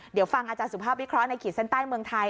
เดี๋ยวฟังอาจารย์สุภาพวิเคราะห์ในขีดเส้นใต้เมืองไทย